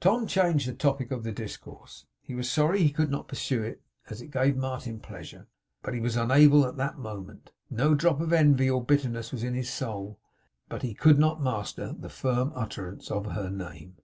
Tom changed the topic of discourse. He was sorry he could not pursue it, as it gave Martin pleasure; but he was unable, at that moment. No drop of envy or bitterness was in his soul; but he could not master the firm utterance of her name.